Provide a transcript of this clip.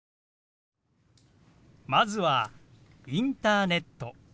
まずは「インターネット」。